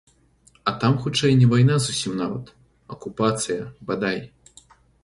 І там хутчэй не вайна зусім нават, акупацыя, бадай.